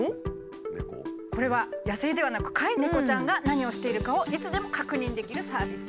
これは野生ではなく飼い猫ちゃんが何をしているかをいつでも確認できるサービスです。